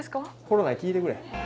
コロナに聞いてくれ。